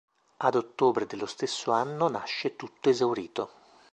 Ad ottobre dello stesso anno nasce Tutto esaurito.